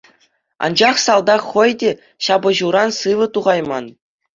Анчах салтак хӑй те ҫапӑҫуран сывӑ тухайман.